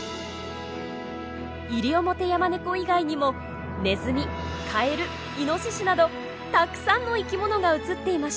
イリオモテヤマネコ以外にもネズミカエルイノシシなどたくさんの生き物が映っていました。